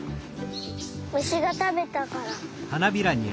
むしがたべたから。